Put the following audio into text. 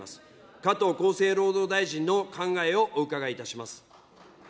加藤厚生労働大臣の考えをお伺いいたします。